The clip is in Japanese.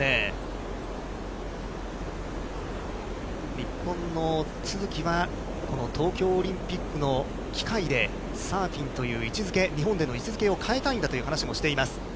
日本の都筑は、この東京オリンピックの機会でサーフィンという位置づけ、日本での位置づけを変えたいんだという話もしています。